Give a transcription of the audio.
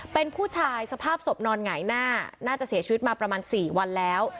เป็นผู้ชายสภาพศพนอนหงายหน้าน่าจะเสียชีวิตมาประมาณ๔วันแล้ว